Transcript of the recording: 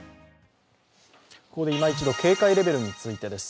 ここでいま一度警戒レベルについてです。